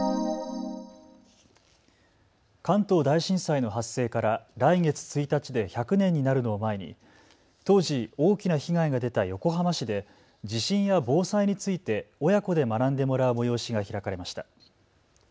関東大震災の発生から来月１日で１００年になるのを前に当時、大きな被害が出た横浜市で地震や防災について親子で学んでもらう催しが開かれました。